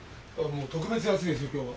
もう特別に暑いですよ今日は。